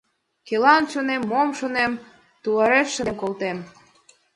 Кӧлан шонем, мош шонем, тунареш шынден колтем.